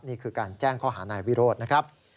นี่คือการแจ้งข้อหานายวิโรธนะครับ